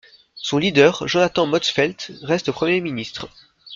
Son leader, Jonathan Motzfeldt, reste Premier ministre.